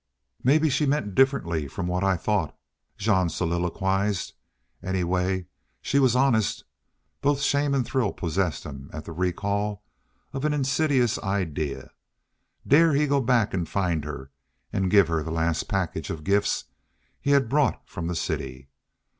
"Maybe she meant differently from what I thought," Jean soliloquized. "Anyway, she was honest." Both shame and thrill possessed him at the recall of an insidious idea dare he go back and find her and give her the last package of gifts he had brought from the city?